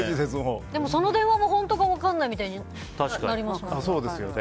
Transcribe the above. その電話も本当か分からないみたいになりますよね。